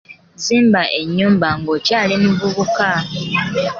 Zimba ennyumba ng'okyali muvubuka.